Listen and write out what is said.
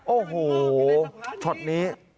โอ้โหช็อตนี้